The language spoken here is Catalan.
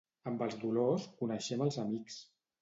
Amb els dolors coneixem els amics.